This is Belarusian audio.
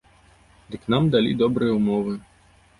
Дык нам далі добрыя ўмовы.